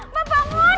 mbak mbak bangun